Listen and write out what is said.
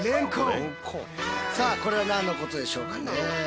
さあこれは何のことでしょうかね？